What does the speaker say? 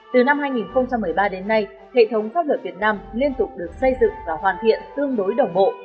từ năm hai nghìn một mươi ba đến nay hệ thống pháp luật việt nam liên tục được xây dựng và hoàn thiện tương đối đồng bộ